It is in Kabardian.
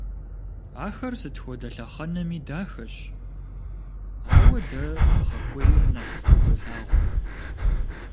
Ахэр сыт хуэдэ лъэхъэнэми дахэщ, ауэ дэ пхъэхуейр нэхъыфӀу долъагъу.